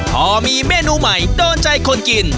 พอมีเมนูใหม่โดนใจคนกิน